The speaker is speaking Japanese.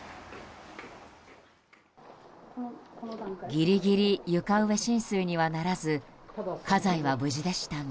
ギリギリ床上浸水にはならず家財は無事でしたが。